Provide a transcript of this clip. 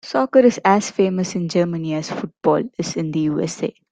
Soccer is as famous in Germany as football is in the USA.